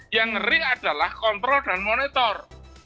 yang ngering adalah kontrol dan monitor